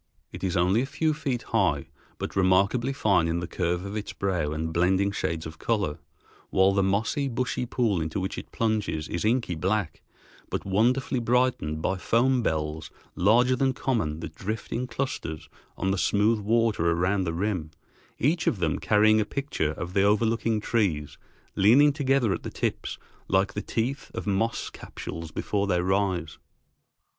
It is only a few feet high, but remarkably fine in the curve of its brow and blending shades of color, while the mossy, bushy pool into which it plunges is inky black, but wonderfully brightened by foam bells larger than common that drift in clusters on the smooth water around the rim, each of them carrying a picture of the overlooking trees leaning together at the tips like the teeth of moss capsules before they rise.